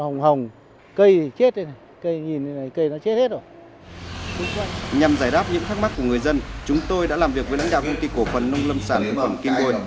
nhằm giải đáp những thắc mắc của người dân chúng tôi đã làm việc với lãnh đạo công ty cổ phần nông lâm sản thực phẩm kim nguồn